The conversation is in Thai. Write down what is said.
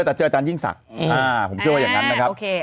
แต่เจออาจารยิ่งศักดิ์ผมเชื่อว่าอย่างนั้นนะครับโอเค